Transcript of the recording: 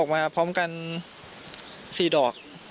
มาพร้อมกัน๔ดอก